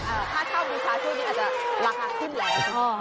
ค่าเช่าบูชาช่วงนี้อาจจะราคาขึ้นแล้ว